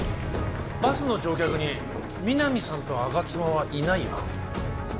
バスの乗客に皆実さんと吾妻はいないよな？